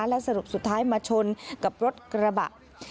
แล้วสรุปสุดท้ายมาชนกับรถกระบะ